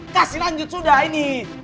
kasih lanjut sudah ini